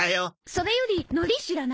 それよりのり知らない？